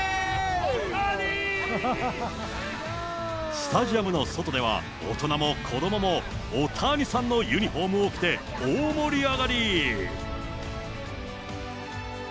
スタジアムの外では、大人も子どもも大谷さんのユニホームを着て、大盛り上がり。